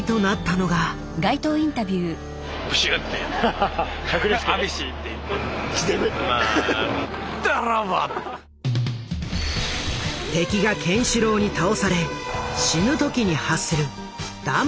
敵がケンシロウに倒され死ぬ時に発する断末魔の叫び。